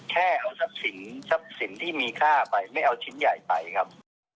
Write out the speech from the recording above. แค่เอาทรัพย์สินทรัพย์สินที่มีค่าไปไม่เอาชิ้นใหญ่ไปครับ